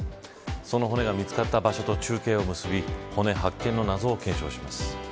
その骨が見つかった場所と中継を結び骨発見の謎を検証します。